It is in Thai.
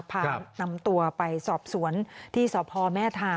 พานำตัวไปสอบสวนที่สพแม่ทา